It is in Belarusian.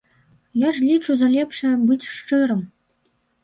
Я ж лічу за лепшае быць шчырым.